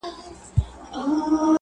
اوس به څوك د جلالا ګودر ته يوسي!